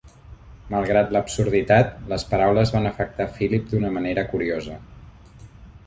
Malgrat l'absurditat, les paraules van afectar Philip d'una manera curiosa.